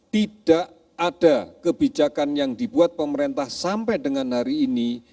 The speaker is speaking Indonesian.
tidak ada kebijakan yang dibuat pemerintah sampai dengan hari ini